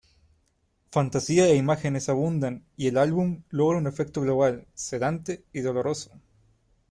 Fantasía e imágenes abundan y el álbum logra un efecto global, sedante y doloroso.